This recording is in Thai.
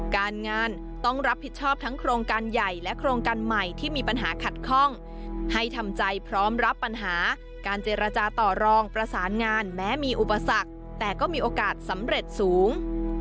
การเจรจาต่อรองประสานงานแม้มีอุปสรรคแต่ก็มีโอกาสสำเร็จสูง